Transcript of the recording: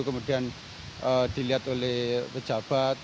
kemudian dilihat oleh pejabat